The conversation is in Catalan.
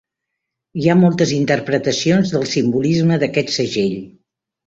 Hi ha moltes interpretacions del simbolisme d'aquest segell.